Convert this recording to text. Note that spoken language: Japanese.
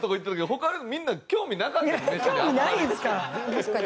確かに。